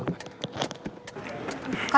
lalu berdua gak apa apa kan